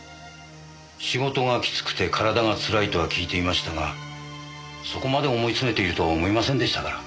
仕事がきつくて体がつらいとは聞いていましたがそこまで思い詰めているとは思いませんでしたから。